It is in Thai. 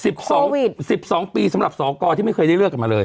สิบสองสิบสองปีสำหรับสอกรที่ไม่เคยได้เลือกกันมาเลย